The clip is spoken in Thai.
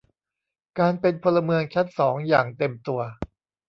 การเป็นพลเมืองชั้นสองอย่างเต็มตัว